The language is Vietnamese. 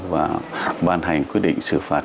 và ban hành quy định xử phạt